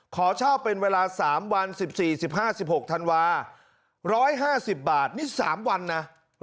ขอเช่าเป็นเวลา๓วัน๑๔๑๕๑๖ธันวา๑๕๐บาทนี่๓วันนะ